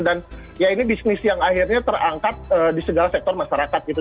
dan ya ini bisnis yang akhirnya terangkat di segala sektor masyarakat gitu